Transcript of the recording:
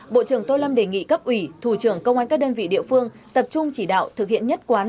bộ trưởng tô lâm đề nghị cấp ủy thủ trưởng công an các đơn vị địa phương tập trung chỉ đạo thực hiện nhất quán